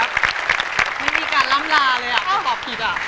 วันนี้มีการเรามเปราะตอบผิดเลยอ่ะ